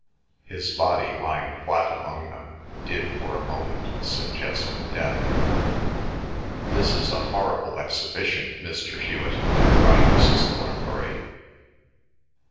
His body, lying flat among them, did for a moment suggest death. "This is a horrible exhibition, Mr. Hewet!" cried Mrs. Thornbury.